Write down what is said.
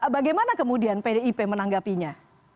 bagaimana kemudian pdip menanggapinya